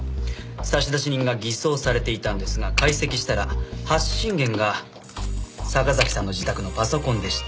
差出人が偽装されていたんですが解析したら発信元が坂崎さんの自宅のパソコンでした。